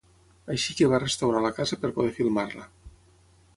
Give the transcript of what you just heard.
Així que va restaurar la casa per poder filmar-la.